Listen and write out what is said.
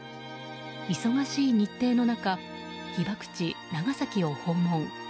忙しい日程の中被爆地・長崎を訪問。